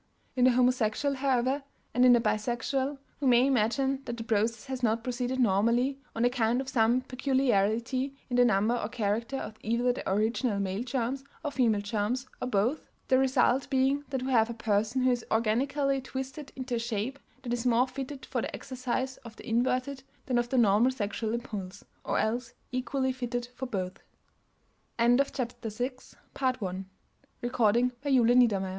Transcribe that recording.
In the homosexual, however, and in the bisexual, we may imagine that the process has not proceeded normally, on account of some peculiarity in the number or character of either the original male germs or female germs, or both, the result being that we have a person who is organically twisted into a shape that is more fitted for the exercise of the inverted than of the normal sexual impulse, or else equally fitted for both. The conception of the latent bi